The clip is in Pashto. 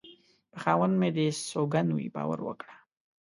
په خاوند مې دې سوگند وي باور وکړه